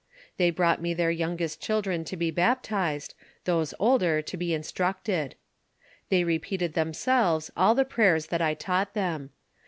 They brought me their youngest children to be baptized, those older, to be instructed. They repeated themselves all the prayers that I taught' them.